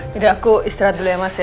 tidak aku istirahat dulu ya mas ya